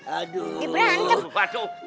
aduh ibran ancam